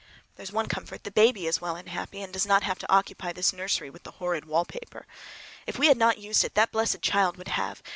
There's one comfort, the baby is well and happy, and does not have to occupy this nursery with the horrid wallpaper. If we had not used it that blessed child would have!